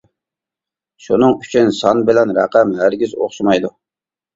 شۇنىڭ ئۈچۈن سان بىلەن رەقەم ھەرگىز ئوخشىمايدۇ.